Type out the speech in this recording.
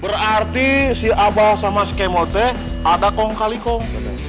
berarti si aba sama si kemote ada kong kali kong